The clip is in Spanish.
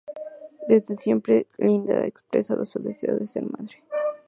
Desde siempre Linda ha expresado su deseo de ser madre.